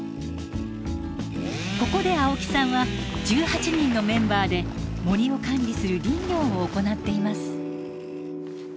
ここで青木さんは１８人のメンバーで森を管理する林業を行っています。